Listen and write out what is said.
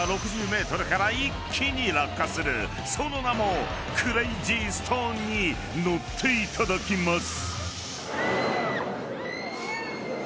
［その名もクレージーストンに乗っていただきます］